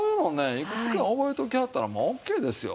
いくつか覚えておきはったらもうオーケーですよ。